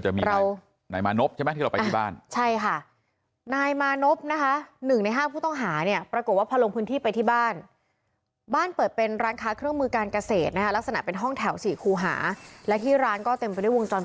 แต่ไม่ขอบอกว่าอยู่ที่ไหน